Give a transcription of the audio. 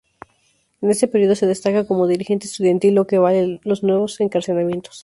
En este período se destaca como dirigente estudiantil, lo que le vale nuevos encarcelamientos.